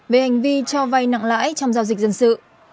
về hành vi cho vay nặng lãi trong giao dịch dân sự